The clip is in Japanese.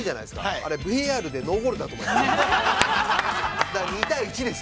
あれ、ＶＡＲでノーゴールだと思います。